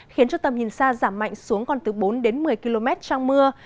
khiến cho tầm nhìn xa giảm mạnh xuống còn từ bốn đến một mươi km trong mưa